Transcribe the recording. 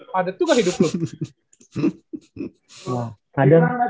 pada tuh gak hidup lu